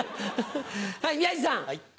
はい宮治さん。